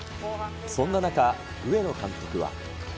そんな中、上野監督は。